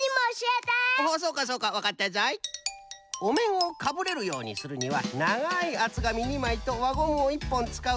おめんをかぶれるようにするにはながいあつがみ２まいとわゴムを１ぽんつかう。